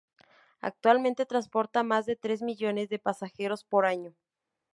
Actualmente transporta más de tres millones de pasajeros por año.